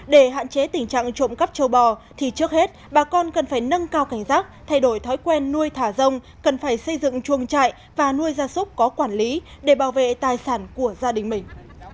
để hạn chế tình trạng trộm cắp châu bò thì trước hết bà con cần phải nâng cao cảnh giác thay đổi thói quen nuôi thả rông cần phải xây dựng chuồng trại và nuôi gia súc có quản lý để bảo vệ tài sản của gia đình mình